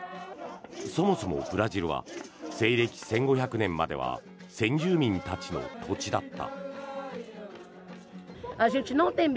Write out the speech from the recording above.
そもそもブラジルは西暦１５００年までは先住民たちの土地だった。